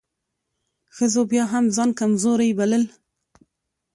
ښځو بيا هم ځان کمزورۍ بلل .